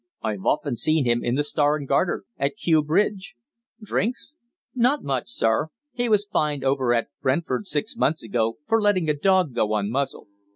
I've often seen him in the 'Star and Garter' at Kew Bridge." "Drinks?" "Not much, sir. He was fined over at Brentford six months ago for letting a dog go unmuzzled.